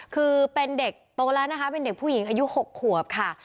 คือเป็นเด็กโตแล้วนะคะเป็นเด็กผู้หญิงอายุ๖ขวบค่ะ